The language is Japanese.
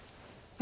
あ。